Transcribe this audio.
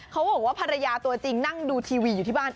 เขาบอกว่าภรรยาตัวจริงนั่งดูทีวีอยู่ที่บ้าน